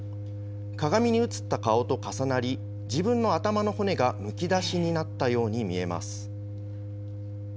鏡に映った顔と重なり、自分の頭の骨がむき出しになったように見えます。